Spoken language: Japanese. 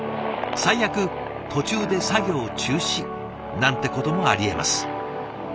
最悪途中で作業中止なんてこともありえます。